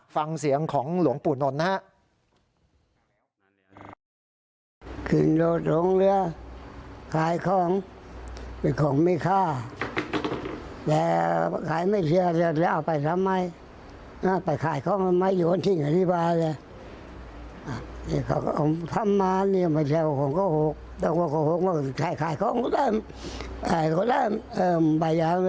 ฟังเสียงของหลวงปู่นนท์นะฮะ